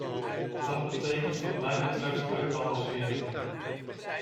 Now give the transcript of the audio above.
Dat betekent wat mij betreft, uitbalanceren.